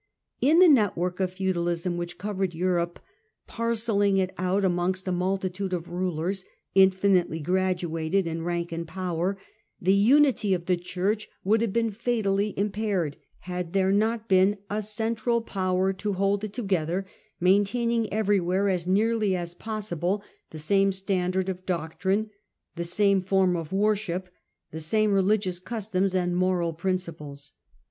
In the network of feudalism which covered Europe, parcelling it out amongst a multitude of rulers infinitely graduated in rank and power, the unity of the Church would have been fatally impaired had there not been a central power to hold it together, maintaining everywhere, as nearly as possible, the same standard of doctrine, the same form of worship, the same religious customs and moral principles.